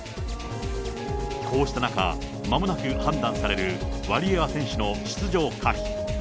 こうした中、まもなく判断されるワリエワ選手の出場可否。